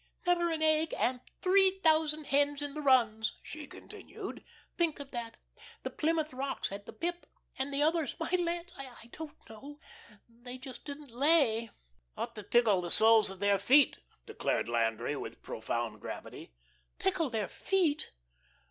"Never an egg, and three thousand hens in the runs," she continued. "Think of that! The Plymouth Rocks had the pip. And the others, my lands! I don't know. They just didn't lay." "Ought to tickle the soles of their feet," declared Landry with profound gravity. "Tickle their feet!"